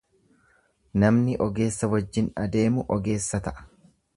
Namni ogeessa wajjin adeemu ogeessa ta'a.